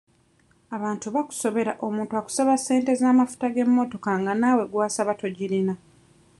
Abantu bakusobera omuntu akusaba ssente z'amafuta g'emmotoka nga naawe gw'asaba togirina.